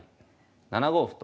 ７五歩と。